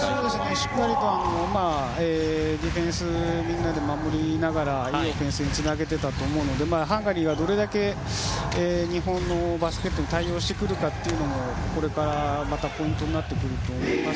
しっかりとディフェンスでみんなで守りながらいいオフェンスにつなげていたと思うのでハンガリーがどれだけ日本のバスケットに対応してくるかが、これからポイントになってくると思います。